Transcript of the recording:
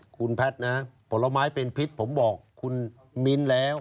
คุณแพทย์นะผลไม้เป็นพิษผมบอกคุณมิ้นท์แล้ว